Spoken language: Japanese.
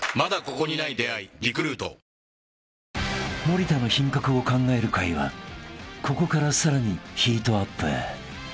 ［森田の品格を考える会はここからさらにヒートアップ］